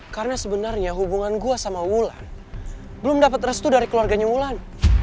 karena sebenarnya hubungan gua sama wulan belum dapet restu dari keluarganya wulan